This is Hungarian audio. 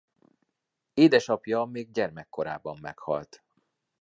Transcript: Édesapja még gyermekkorában meghalt.